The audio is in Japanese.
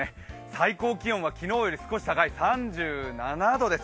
最高気温は昨日より少し高い３７度です。